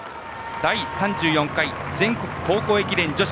第３４回全国高校駅伝女子。